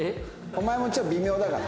お前もちょっと微妙だから。